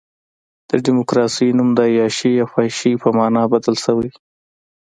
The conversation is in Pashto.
د ډیموکراسۍ نوم د عیاشۍ او فحاشۍ په معنی بدل شوی.